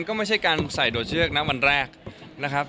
ก็ไม่ใช่การใส่โดดเชือกนะวันแรกนะครับ